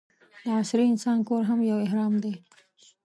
د عصري انسان کور هم یو اهرام دی.